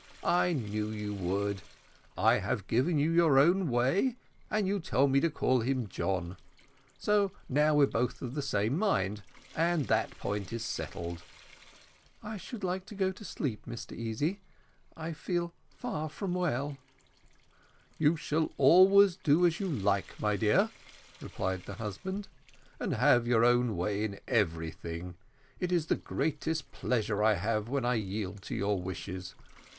I knew you would. I have given you your own way, and you tell me to call him John; so now we're both of the same mind, and that point is settled." "I should like to go to sleep, Mr Easy; I feel far from well." "You shall always do just as you like, my dear," replied the husband, "and have your own way in everything. It is the greatest pleasure I have when I yield to your wishes.